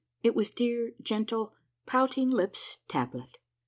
it was dear, gentle. Pouting Lip's tablet.